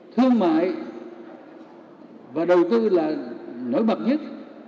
thương mại và đầu tư là nổi bật nhất